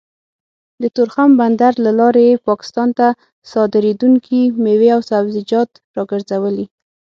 د تورخم بندر له لارې يې پاکستان ته صادرېدونکې مېوې او سبزيجات راګرځولي